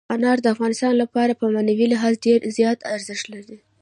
انار د افغانانو لپاره په معنوي لحاظ ډېر زیات ارزښت لري.